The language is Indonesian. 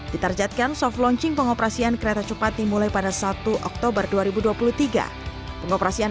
ditarjatkan soft launching pengoperasian kereta cepat dimulai pada satu oktober dua ribu dua puluh tiga pengoperasian